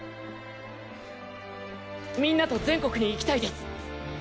みんなと全国に行きたいです！